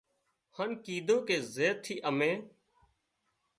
هانَ ڪيڌون ڪي زين ٿي امين